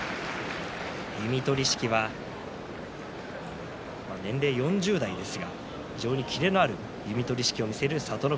弓取式は年齢４０代ですが非常にキレのある弓取り式を見せる聡ノ